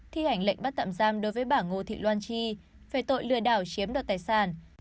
thi hành lệnh bắt tạm giam đối với bà ngô thị loan chi về tội lừa đảo chiếm đoạt tài sản